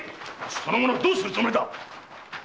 その者をどうするつもりだ！